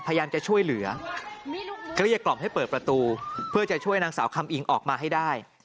พยายามจะช่วยเหลือเกลี้ยกล่อมให้เปิดประตูเพื่อจะช่วยนางสาวคำอิงออกมาให้ได้